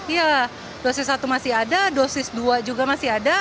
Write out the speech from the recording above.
ya dosis satu masih ada dosis dua juga masih ada